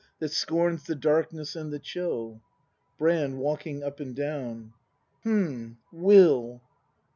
That scorns the darkness and the chill. Brand. [Walki7ig up and down.] H'm, Will!